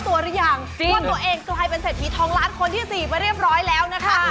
ว่าตัวเองกลายเป็นเศรษฐีทองร้านคนที่๔มาเรียบร้อยแล้วนะคะ